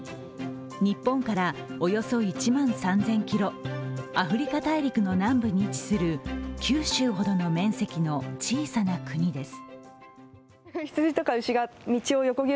日本からおよそ１万３０００ｋｍ、アフリカ大陸の南部に位置する九州ほどの面積の小さな国です。